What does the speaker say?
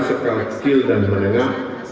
sekaligus kecil dan menengah